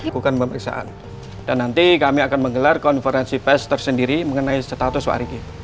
bukan pemeriksaan dan nanti kami akan menggelar konferensi pes tersendiri mengenai status wariki